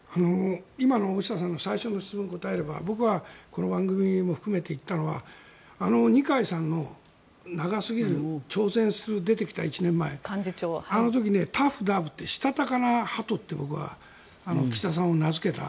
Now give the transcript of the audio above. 今の大下さんの最初の質問に答えれば僕はこの番組も含めて言ったのは二階さんの長すぎる出てきた１年前あの時、タフダーブしたたかなハトって岸田さんを名付けた。